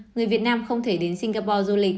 người việt nam không thể đến singapore du lịch